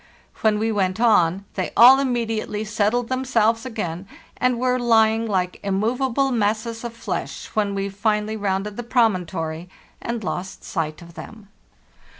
When we went on, they all immediately settled themselves again, and were lying lke immovable masses of flesh when we finally rounded the promontory and lost sight of them."